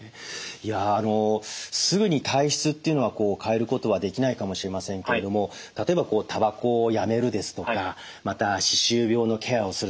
いやあのすぐに体質っていうのは変えることはできないかもしれませんけれども例えばたばこをやめるですとかまた歯周病のケアをする